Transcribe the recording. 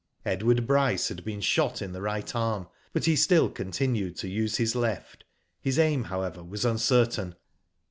Edward Bryce had be^n shot in the right arm, but he still continued to use his left. His aim, however, was uncertain.